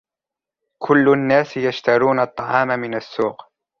كل الناس يشترون الطعام من السوق.